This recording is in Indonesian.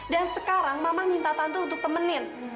dan sekarang mama minta tante untuk temenin